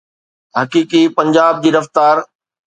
حقيقي پنجاب جي رفتار.